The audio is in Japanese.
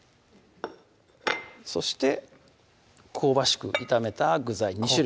そして香ばしく炒めた具材２種類